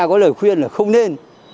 có lời khuyên là không nên